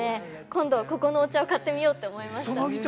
今度、ここのお茶を買ってみようと思いました。